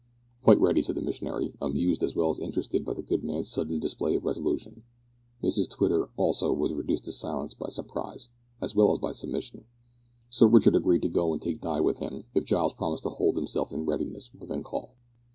"Quite ready," said the missionary, amused as well as interested by the good man's sudden display of resolution. Mrs Twitter, also, was reduced to silence by surprise, as well as by submission. Sir Richard agreed to go and take Di with him, if Giles promised to hold himself in readiness within call.